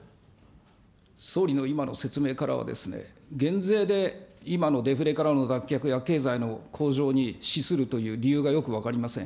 総理の今の説明からはですね、減税で今のデフレからの脱却や経済の向上に資するという理由がよく分かりません。